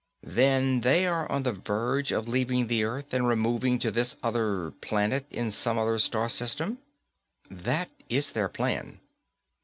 "Then they are on the verge of leaving the Earth and removing to this other planet in some other star system?" "That is their plan."